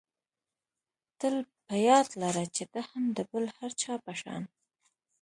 تل په یاد لره چې ته هم د بل هر چا په شان.